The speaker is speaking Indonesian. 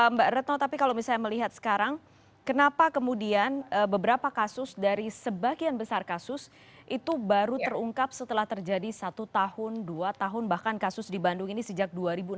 mbak retno tapi kalau misalnya melihat sekarang kenapa kemudian beberapa kasus dari sebagian besar kasus itu baru terungkap setelah terjadi satu tahun dua tahun bahkan kasus di bandung ini sejak dua ribu enam belas